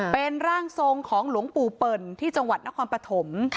เป็นร่างทรงของหลวงปู่เปิ่นที่จังหวัดนครปฐม